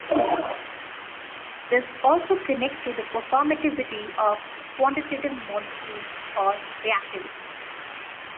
This also connects to the performativity of quantitative models or reactivity.